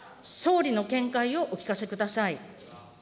総理の見解をお聞かせください。